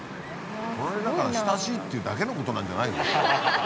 隣だから親しいっていうだけのことなんじゃないの？